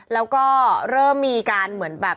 แล้วก็เริ่มมีการเหมือนแบบ